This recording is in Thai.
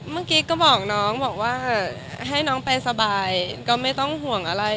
เมื่อกี้ก็บอกน้องบอกว่าให้น้องไปสบายก็ไม่ต้องห่วงอะไร